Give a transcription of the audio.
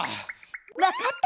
わかった。